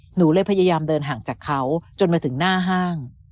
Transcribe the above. หนูเลยพยายามเดินห่างจากเขาจนมาถึงหน้าห้าง